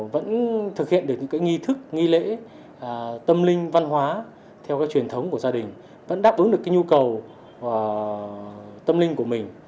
vẫn thực hiện được những cái nghi thức nghi lễ tâm linh văn hóa theo cái truyền thống của gia đình vẫn đáp ứng được cái nhu cầu tâm linh của mình